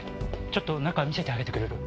ちょっと中見せてあげてくれる？